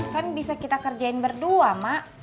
kan bisa kita kerjain berdua mak